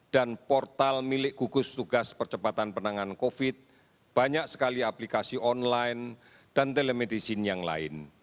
dan portal milik gugus tugas percepatan penanganan covid banyak sekali aplikasi online dan telemedicine yang lain